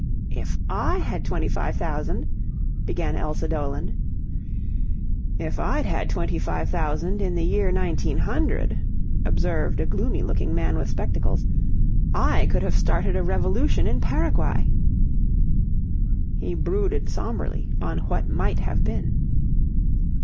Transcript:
"If I had twenty five thousand..." began Elsa Doland. "If I'd had twenty five thousand in the year nineteen hundred," observed a gloomy looking man with spectacles, "I could have started a revolution in Paraguay." He brooded sombrely on what might have been.